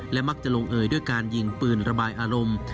มักจะลงเอยด้วยการยิงปืนระบายอารมณ์